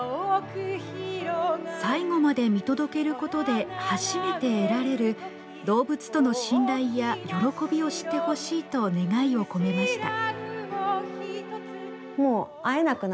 最後まで見届けることで初めて得られる動物との信頼や喜びを知ってほしいと願いを込めました。